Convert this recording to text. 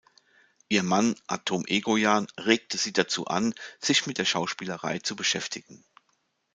Ihr Mann Atom Egoyan regte sie dazu an, sich mit der Schauspielerei zu beschäftigen.